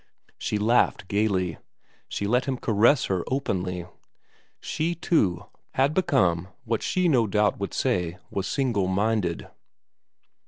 She laughed gaily ; she let him caress her openly. She too, thought Miss Entwhistle, had become what she no doubt would say was single minded.